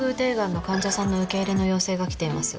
癌の患者さんの受け入れの要請が来ています。